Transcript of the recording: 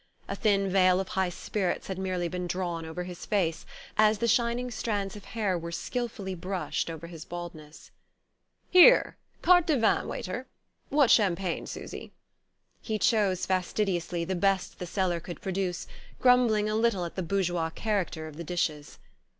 A thin veil of high spirits had merely been drawn over his face, as the shining strands of hair were skilfully brushed over his baldness. "Here! Carte des vins, waiter! What champagne, Susy?" He chose, fastidiously, the best the cellar could produce, grumbling a little at the bourgeois character of the dishes.